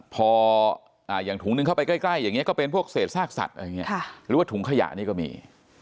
พออย่างถุงนึงเข้าไปใกล้อย่างนี้ก็เป็นพวกเศษซากสัตว์อะไรอย่างนี้หรือว่าถุงขยะนี่ก็มี